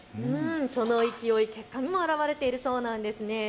その勢い、結果にも表れているそうなんです。